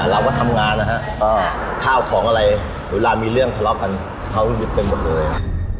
เราก็ทำงานนะฮะข้าวของอะไรเวลามีเรื่องทะเลาะกันเขาหยุดไปหมดเลย